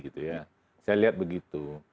saya lihat begitu